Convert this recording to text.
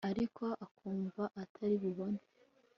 ariko akumva atari bubone